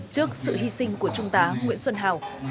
trước sự hy sinh của trung tá nguyễn xuân hào